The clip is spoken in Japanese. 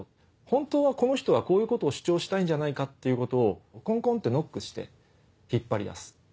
本当はこの人はこういうことを主張したいんじゃないかっていうことをコンコンってノックして引っ張り出す。